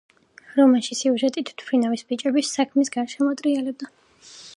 რომანში სიუჟეტი თვითმფრინავის ბიჭების საქმის გარშემო ტრიალდება.